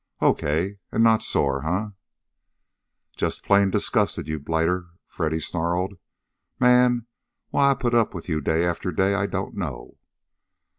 Okay, and not sore, huh?" "Just plain disgusted, you blighter!" Freddy snarled. "Man! Why I put up with you day after day, I don't know!"